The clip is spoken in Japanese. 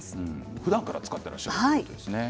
ふだんから使っていらっしゃるんですね。